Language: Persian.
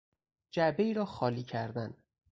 جعبهای را خالی کردن